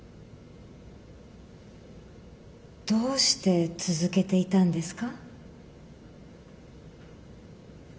どうして続けていたんですか？